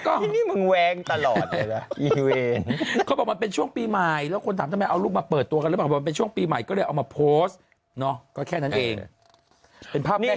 คอยด้วยไงให้นี่เทิร์ชแล้วก็เอาลูกมาเปิดตัวใหม่ก็เรียกเอามาโพสท์เนาะแค่